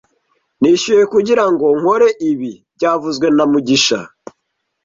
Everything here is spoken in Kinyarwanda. Nishyuye kugirango nkore ibi byavuzwe na mugisha